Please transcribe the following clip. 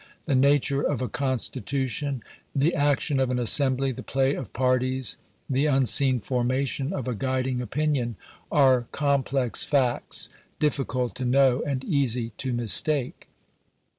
The nature of a constitution, the action of an assembly, the play of parties, the unseen formation of a guiding opinion, are complex facts, difficult to know and easy to mistake.